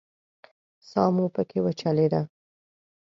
ساه مو پکې وچلېده.